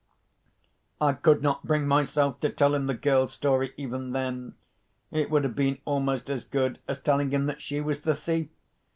I could not bring myself to tell him the girl's story, even then. It would have been almost as good as telling him that she was the thief.